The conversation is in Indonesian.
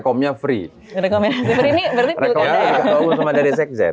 rekomnya free ini berarti pilkada ya